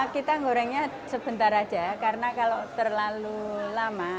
kita gorengnya sebentar aja karena kalau terlalu lama